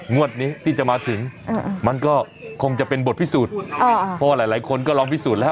งวดนี้ที่จะมาถึงมันก็คงจะเป็นบทพิสูจน์เพราะว่าหลายคนก็ลองพิสูจน์แล้ว